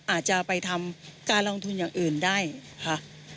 อาจจะไปทำการลงทุนอย่างอื่นได้ค่ะ